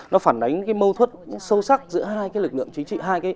nó phản đánh cái mâu thuất sâu sắc giữa hai cái lực lượng chính trị